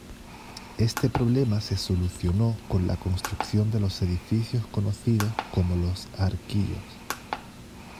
Este problema se solucionó con la construcción de los edificios conocidos como Los Arquillos.